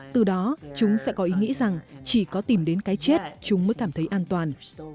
từ đó chúng sẽ có ý nghĩa rằng chỉ có tìm đến cái chết chúng mới cảm thấy an toàn